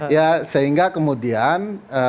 ya sehingga kemudian